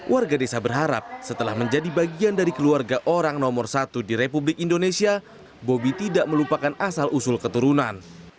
warga desa berharap setelah menjadi bagian dari keluarga orang nomor satu di republik indonesia bobi tidak melupakan asal usul keturunan